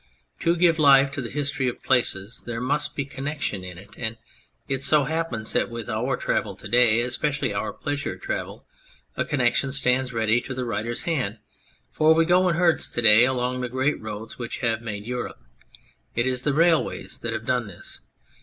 To give life to the history of places there must be connection in it, and it so happens that with our travel to day especially our pleasure travel a connection stands ready to the writer's hand : for we go in herds to day along the great roads which have made Europe. It is the railways that have done this.